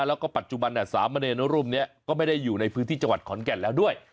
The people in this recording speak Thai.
แล้วก็ปัจจุบันสามเณรรูปนี้ก็ไม่ได้อยู่ในพื้นที่จังหวัดขอนแก่นแล้วด้วย